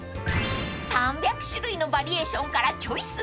［３００種類のバリエーションからチョイス］